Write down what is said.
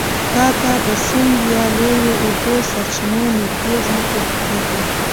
دا کار د سیند یا لویو اوبو سرچینو نږدې ځمکو کې کېږي.